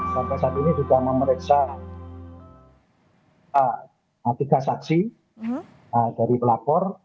sampai saat ini sudah memeriksa tiga saksi dari pelapor